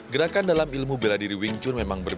gerakan dalam ilmu bela diri wing chun memang berbeda